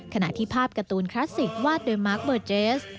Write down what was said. ขณะที่ภาพการ์ตูนคลาสสิกวาดโดยมาร์คเบอร์เจส